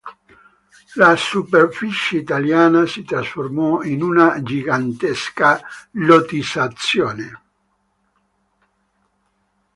La superficie Italiana si trasformò in una gigantesca lottizzazione.